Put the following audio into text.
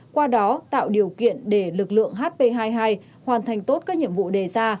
qua đó tạo điều kiện để lực lượng hp hai mươi hai hoàn thành tốt các nhiệm vụ đề ra